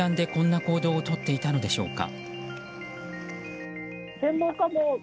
なぜ、集団でこんな行動をとっていたのでしょうか。